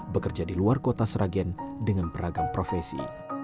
bekerja di luar kota sragen dengan beragam profesi